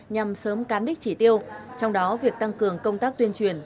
nhằm sớm cán đích chỉ tiêu trong đó việc tăng cường công tác tuyên truyền